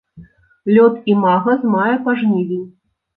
Лёт імага з мая па жнівень.